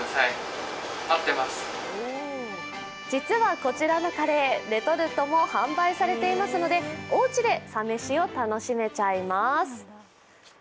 実はこちらのカレー、レトルトも販売されていますので、おうちでサ飯を楽しめちゃいます。